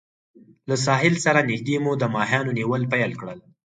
له ساحل سره نږدې مو د ماهیانو نیول پیل کړل.